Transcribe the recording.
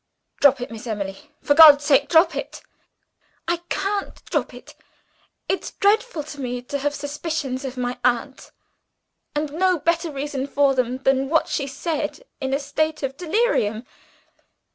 "Drop it, Miss Emily! For God's sake, drop it!" "I can't drop it. It's dreadful to me to have suspicions of my aunt and no better reason for them than what she said in a state of delirium.